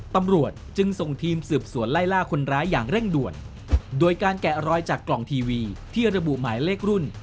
ตำรวจจึงส่งทีมสืบสวนไล่ล่าคนร้ายอย่างเร่งด่วน